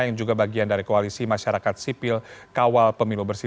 yang juga bagian dari koalisi masyarakat sipil kawal pemilu bersih